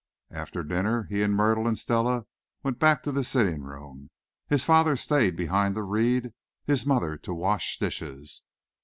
After dinner he and Myrtle and Stella went back to the sitting room. His father stayed behind to read, his mother to wash dishes.